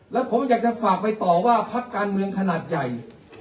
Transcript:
แล้วผมอยากจะฝากไปต่อว่าพักการเมืองขนาดใหญ่